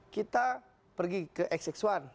kita pergi ke xx satu